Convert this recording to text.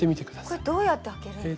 これどうやって開けるんですか？